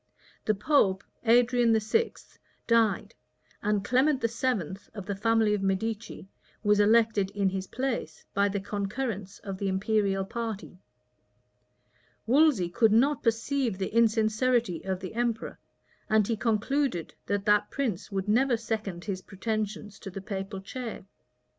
The pope, Adrian VI., died; and Clement VII., of the family of Medicis, was elected in his place, by the concurrence of the imperial party. Wolsey could not perceive the insincerity of the emperor, and he concluded that that prince would never second his pretensions to the papal chair.